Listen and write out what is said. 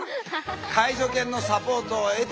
介助犬のサポートを得てですね